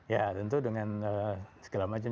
ya tentu dengan segala macam